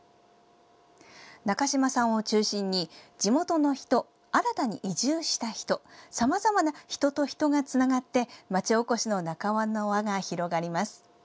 中島さんを中心に地元の人、新たに移住した人さまざまな人と人がつながって町おこしの仲間の輪が広がります。